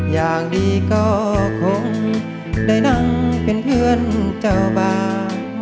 อย่างดีก็คงได้นั่งเป็นเพื่อนเจ้าบ้าน